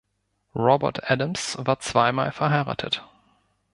Robert Adams war zweimal verheiratet.